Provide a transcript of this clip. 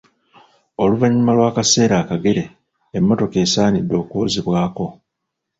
Oluvannyuma lw’akaseera akagere emmotoka esaanidde okwozebwako.